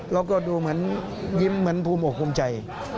แล้วก็ดูเหมือนยิ้มเหมือนภูมิอกภูมิใจ